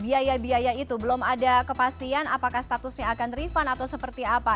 biaya biaya itu belum ada kepastian apakah statusnya akan refund atau seperti apa